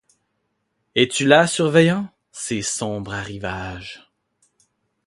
Es-tu là, surveillant -ces sombres arrivages ?